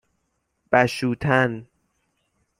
بَشوتن